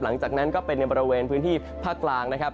หลังจากนั้นก็เป็นในบริเวณพื้นที่ภาคกลางนะครับ